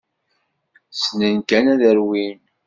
Ssnen kan ad rwin.